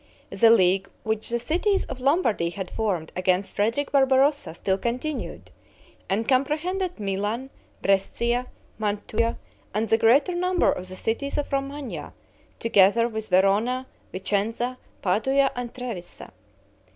The league which the cities of Lombardy had formed against Frederick Barbarossa still continued, and comprehended Milan, Brescia, Mantua, and the greater number of the cities of Romagna, together with Verona, Vicenza, Padua, and Trevisa.